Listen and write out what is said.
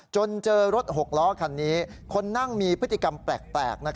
จนเจอรถ๖ล้อคันนี้คนนั่งมีพฤติกรรมแปลก